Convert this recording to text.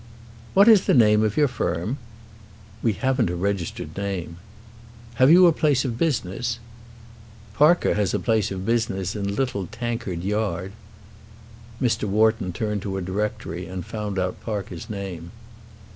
"What is the name of your firm?" "We haven't a registered name." "Have you a place of business?" "Parker has a place of business in Little Tankard Yard." Mr. Wharton turned to a directory and found out Parker's name.